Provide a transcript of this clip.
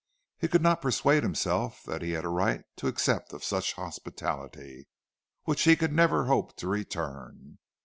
He could not persuade himself that he had a right to accept of such hospitality, which he could never hope to return.